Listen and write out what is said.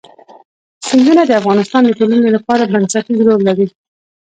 سیندونه د افغانستان د ټولنې لپاره بنسټيز رول لري.